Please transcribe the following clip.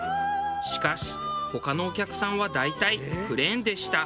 しかし他のお客さんは大体プレーンでした。